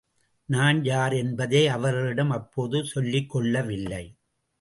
நான் யார் என்பதை அவர்களிடம் அப்போது சொல்லிக் கொள்ளவில்லை.